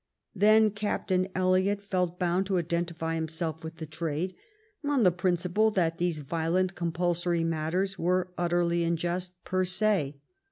Then Captain Elliot felt bound to identify him self with the trade, "on the principle that these violent compulsory matters were utterly unjust per se!